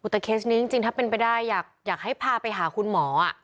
แต่เคสนี้จริงถ้าเป็นไปได้อยากให้พาไปหาคุณหมอ